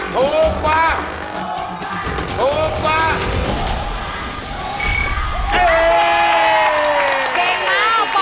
ถูกกว่าถูกกว่าถูกกว่าถูกกว่าถูกกว่าถูกกว่า